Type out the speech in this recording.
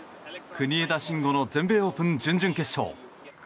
国枝慎吾の全米オープン準々決勝。